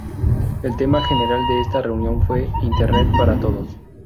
El tema general de esta reunión fue "Internet para todos".